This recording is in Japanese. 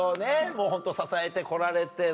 もうホント支えて来られて。